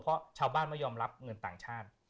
เพราะชาวบ้านไม่ยอมรับเงินต่างชาติ